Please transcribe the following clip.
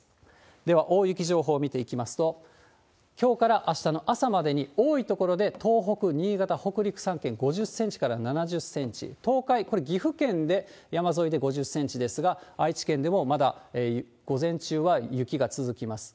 では、大雪情報見ていきますと、きょうからあしたの朝までに、多い所で、東北、新潟、北陸３県、５０センチから７０センチ、東海、これ、岐阜県で山沿いで５０センチですが、愛知県でもまだ午前中は雪が続きます。